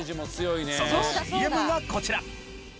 そのＣＭがこちら。